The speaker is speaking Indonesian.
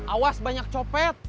awas banyak copet